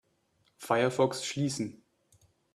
Firefox schließen.